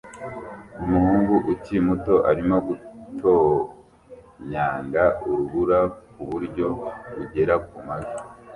Umuhungu ukiri muto arimo gutonyanga urubura kuburyo bugera kumavi